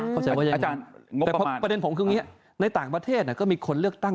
อาจารย์แต่ประเด็นผมคืออย่างนี้ในต่างประเทศก็มีคนเลือกตั้ง